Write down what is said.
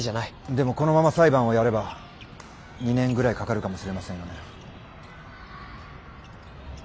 でもこのまま裁判をやれば２年ぐらいかかるかもしれませんよね。